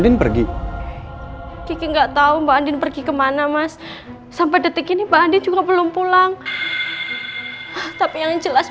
ngurus anak aja gak betus